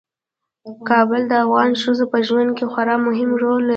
کابل د افغان ښځو په ژوند کې خورا مهم رول لري.